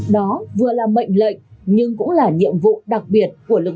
đó vừa là mệnh lệnh nhưng cũng là nhiệm vụ đặc biệt của lực lượng